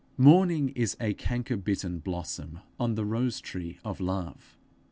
Mourning is a canker bitten blossom on the rose tree of love.